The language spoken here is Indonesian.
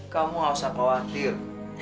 kamu tak perlu khawatir